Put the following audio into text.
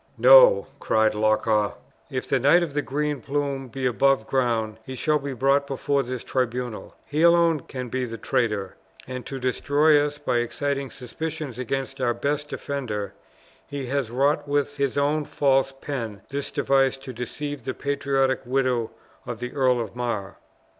"No," cried Loch awe; "if the Knight of the Green Plume be above ground, he shall be brought before this tribunal. He alone can be the traitor; and to destroy us by exciting suspicions against our best defender, he has wrought with his own false pen this device to deceive the patriotic widow of the Earl of Mar."